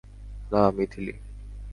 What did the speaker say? না, মিথিলি।